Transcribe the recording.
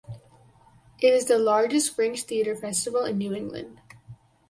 It is the largest fringe theater festival in New England.